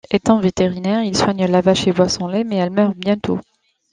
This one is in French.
Étant vétérinaire, il soigne la vache et boit son lait, mais elle meurt bientôt.